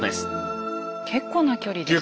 結構な距離ですね。